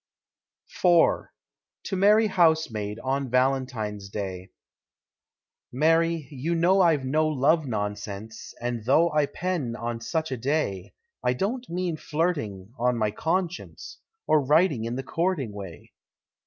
IV. TO MARY HOUSEMAID, ON VALENTINE'S DAY. Mary, you know I've no love nonsense, And though I pen on such a day, I don't mean flirting, on my conscience, Or writing in the courting way.